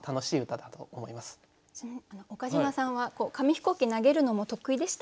岡島さんは紙飛行機投げるのも得意でした？